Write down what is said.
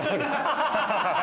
ハハハハ！